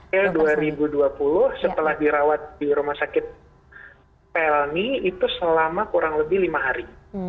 ya dua ribu dua puluh setelah dirawat di rumah sakit pelni itu selama kurang lebih lima hari